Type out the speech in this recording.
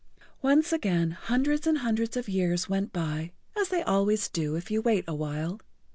Once again hundreds and hundreds of years went by, as they always do if you wait a while.